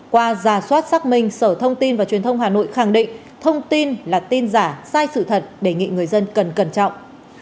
qua giả soát xác minh sở thông tin và truyền thông hà nội khẳng định thông tin là tin giả sai sự thật đề nghị người dân cần cẩn trọng